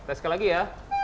tes ke lagi ya